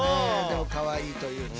でもかわいいという。